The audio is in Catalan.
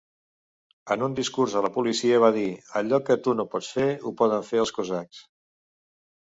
En un discurs a la policia va dir: "Allò que tu no pots fer, ho poden fer els cosacs".